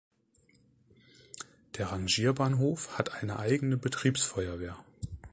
Der Rangierbahnhof hat eine eigene Betriebsfeuerwehr.